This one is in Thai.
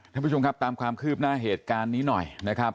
ท่านผู้ชมครับตามความคืบหน้าเหตุการณ์นี้หน่อยนะครับ